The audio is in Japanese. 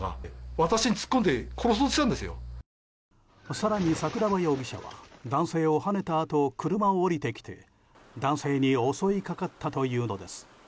更に桜庭容疑者は男性をはねたあと車を降りてきて、男性に襲いかかったというのです。